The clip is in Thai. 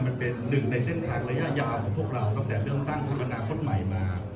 มันเป็นหนึ่งในเส้นทางระยะยาวของพวกเราตั้งแต่เริ่มตั้งพักอนาคตใหม่มา